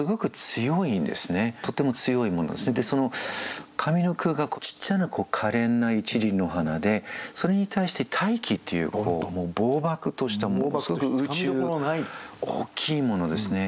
とっても強いもので上の句がちっちゃなかれんな１輪の花でそれに対して「大気」っていうもうぼう漠としたすごく宇宙大きいものですね。